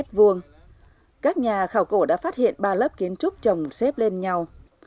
trong đó các nhà khảo cổ đã phát hiện ba lớp kiến trúc trong vùng đất này